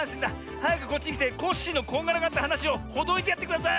はやくこっちきてコッシーのこんがらがったはなしをほどいてやってください！